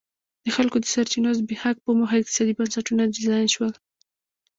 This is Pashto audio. د خلکو د سرچینو زبېښاک په موخه اقتصادي بنسټونه ډیزاین شول.